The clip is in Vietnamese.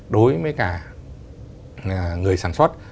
đối với cả người sản xuất